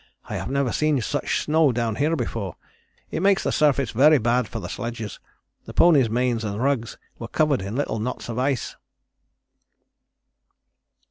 I have never seen such snow down here before; it makes the surface very bad for the sledges. The ponies' manes and rugs were covered in little knots of ice."